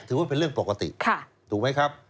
ถือว่าเป็นเรื่องปกติถูกไหมครับ